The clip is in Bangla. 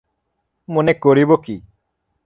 মনে করিব কী!